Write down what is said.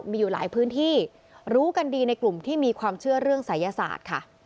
มีอยู่หลายพื้นที่รู้กันดีในกลุ่มที่มีความเชื่อเรื่องศัยศาสตร์ค่ะ